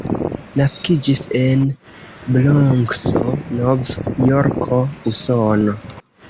Naskiĝis en Bronkso, Nov-Jorko, Usono.